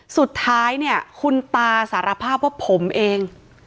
สุดท้ายเนี่ยคุณตาสารภาพว่าผมเอง